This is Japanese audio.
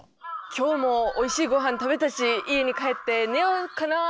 「今日もおいしいごはん食べたし家に帰って寝ようかな」。